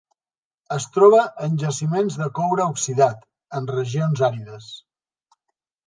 Es troba en jaciments de coure oxidat, en regions àrides.